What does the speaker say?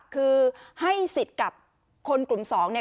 คือให้สิทธิ์กับคนกลุ่มสองเนี่ย